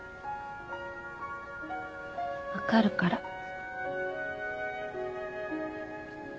わかるから。